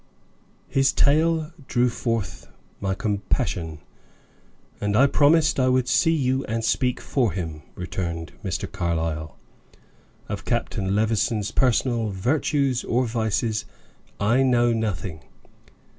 "His tale drew forth my compassion, and I promised I would see you and speak for him," returned Mr. Carlyle. "Of Captain Levison's personal virtues or vices, I know nothing."